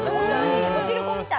おしるこみたい。